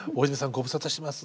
ご無沙汰してます。